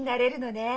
ねえ